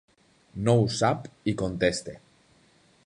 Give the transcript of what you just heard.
No ho sap i contesta.